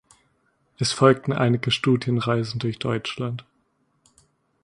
Es folgten einige Studienreisen durch Deutschland.